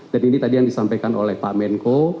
dan ini tadi yang disampaikan oleh pak menko